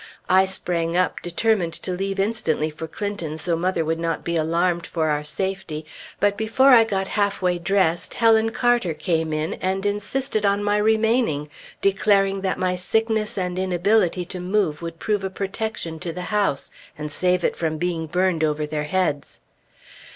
I sprang up, determined to leave instantly for Clinton so mother would not be alarmed for our safety; but before I got halfway dressed, Helen Carter came in, and insisted on my remaining, declaring that my sickness and inability to move would prove a protection to the house, and save it from being burned over their heads.